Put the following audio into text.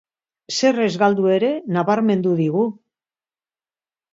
Zer ez galdu ere nabarmendu digu!